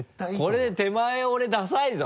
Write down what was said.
これで手前折れダサいぞ！